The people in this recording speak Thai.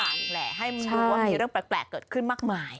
มันต้องมาฝากแปลกให้มันรู้ว่ามีเรื่องแปลกเกิดขึ้นมากมาย